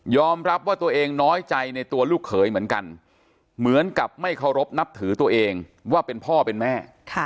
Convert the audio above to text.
รับว่าตัวเองน้อยใจในตัวลูกเขยเหมือนกันเหมือนกับไม่เคารพนับถือตัวเองว่าเป็นพ่อเป็นแม่